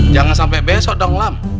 jangan sampe besok dong delam